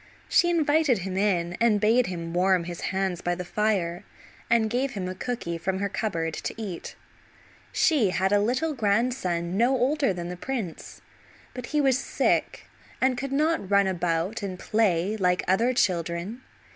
She invited him in, and bade him warm his hands by the fire, and gave him a cooky from her cupboard to eat. She had a little grandson no older than the prince, but he was sick and could not run about and play like other children.